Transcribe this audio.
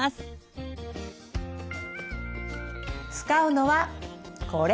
使うのはこれ！